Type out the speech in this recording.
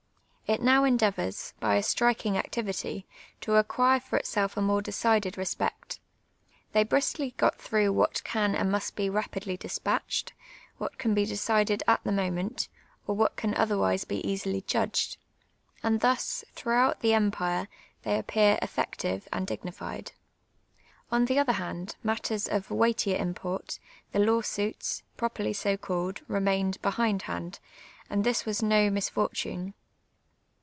It now endea vours, by a strikin*^ activity, to ac(piire for itself a more decided respect : they briskly got throufjh what can and must be ra})idly disjiatched, what can be decided at the moment, or what can otherwise be easily judged ; and thus, throughout the empire, they appear effective and dignified. On the other hand, matters of weightier im])ort, the law suits, pro perly so called, ri'mained behindhand, and this was no mis fortune.